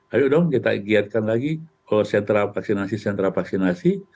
ayo dong kita giatkan lagi ke sentra vaksinasi sentra vaksinasi